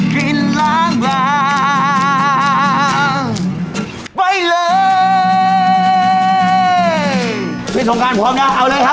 กินเป็นน้ำเป็นแห้งเป็นยำ